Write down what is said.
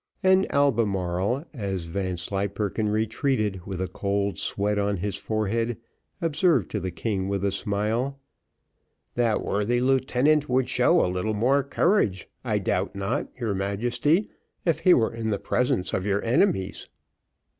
And Albemarle, as Vanslyperken retreated with a cold sweat on his forehead, observed to the king with a smile, "That worthy lieutenant would show a little more courage, I doubt not, your Majesty, if he were in the presence of your enemies."